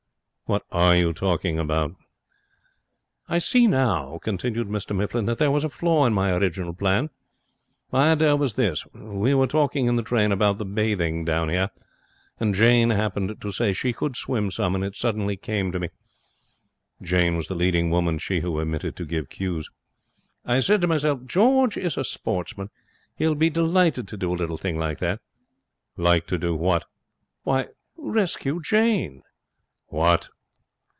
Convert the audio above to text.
'What are you talking about?' 'I see now,' continued Mr Mifflin, 'that there was a flaw in my original plan. My idea was this. We were talking in the train about the bathing down here, and Jane happened to say she could swim some, and it suddenly came to me.' Jane was the leading woman, she who omitted to give cues. 'I said to myself, "George is a sportsman. He will be delighted to do a little thing like that".' 'Like to do what?' 'Why, rescue Jane.' 'What!'